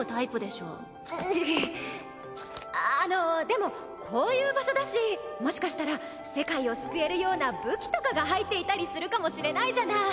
うぅあのでもこういう場所だしもしかしたら世界を救えるような武器とかが入っていたりするかもしれないじゃない。